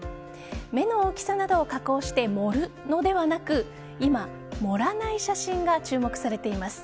目の大きさなどを加工して盛るのではなく今、盛らない写真が注目されています。